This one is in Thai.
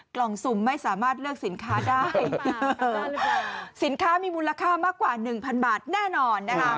กล่องสุ่มไม่สามารถเลือกสินค้าได้สินค้ามีมูลค่ามากกว่าหนึ่งพันบาทแน่นอนนะคะ